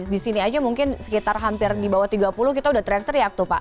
di sini aja mungkin sekitar hampir di bawah tiga puluh kita udah teriak teriak tuh pak